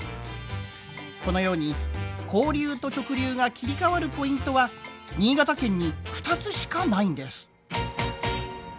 このように交流と直流が切り替わるポイントは新潟県に２つしかないんです。